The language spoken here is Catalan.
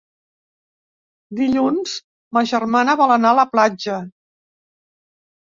Dilluns ma germana vol anar a la platja.